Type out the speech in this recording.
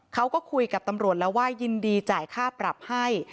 เขาก็คุยกับตำรวจแล้วว่ายินดีจ่ายค่าปรับให้